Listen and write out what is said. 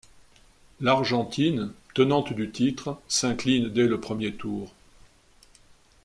L'Argentine, tenante du titre, s'incline dès le premier tour.